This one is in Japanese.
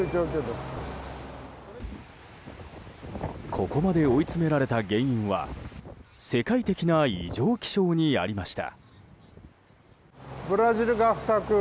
ここまで追い詰められた原因は世界的な異常気象にありました。